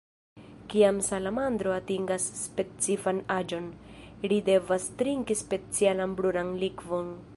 Kiam salamandro atingas specifan aĝon, ri devas trinki specialan brunan likvon.